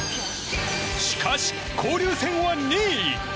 しかし、交流戦は２位。